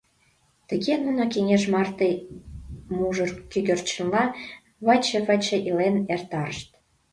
Тыге нуно кеҥеж марте мужыр кӧгӧрченла выче-выче илен эртарышт.